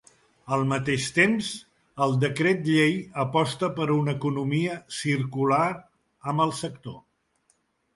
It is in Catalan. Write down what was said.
Al mateix temps, el decret llei aposta per una economia circular en el sector.